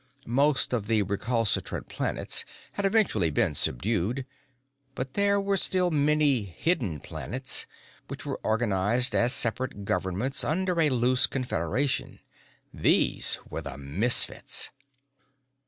Most of the recalcitrant planets had eventually been subdued, but there were still many "hidden planets" which were organized as separate governments under a loose confederation. These were the Misfits.